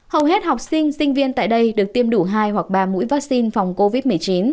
hầu hết học sinh sinh viên tại đây được tiêm đủ hai hoặc ba mũi vaccine phòng covid một mươi chín